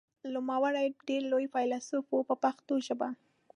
نوموړی ډېر لوی فیلسوف و په پښتو ژبه.